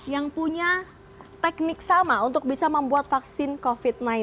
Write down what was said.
yang punya teknik sama untuk bisa membuat vaksin covid sembilan belas